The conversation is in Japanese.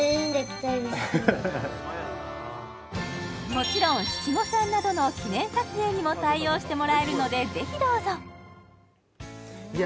もちろん七五三などの記念撮影にも対応してもらえるのでぜひどうぞいや